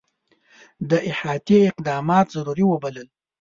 ده احتیاطي اقدامات ضروري وبلل.